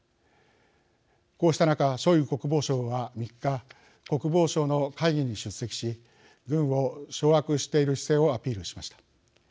こうした中ショイグ国防相は３日国防省の会議に出席し軍を掌握している姿勢をアピールしました。